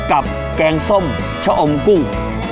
แกงส้มชะอมกุ้ง